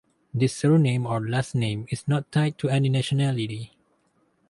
This surname or last name is not tied to any nationality.